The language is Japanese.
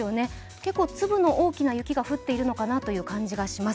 結構粒の大きな雪が降っているのかなという感じがします。